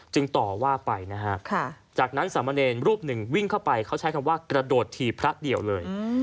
ต่อว่าไปนะฮะจากนั้นสามเณรรูปหนึ่งวิ่งเข้าไปเขาใช้คำว่ากระโดดถีบพระเดี่ยวเลย